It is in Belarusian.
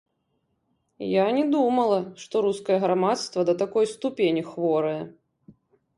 Я не думала, што рускае грамадства да такой ступені хворае.